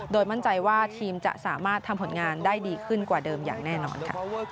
โดยมั่นใจว่าทีมจะสามารถทำผลงานได้ดีขึ้นกว่าเดิมอย่างแน่นอนค่ะ